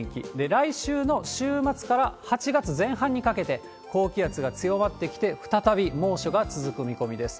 来週の週末から８月前半にかけて、高気圧が強まってきて、再び猛暑が続く見込みです。